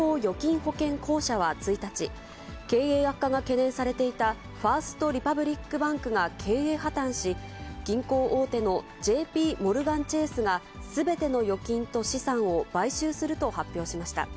アメリカのＦＤＩＣ・連邦預金保険公社は１日、経営悪化が懸念されていたファースト・リパブリック・バンクが経営破綻し、銀行大手のＪＰモルガン・チェースがすべての預金と資産を買収すると発表しました。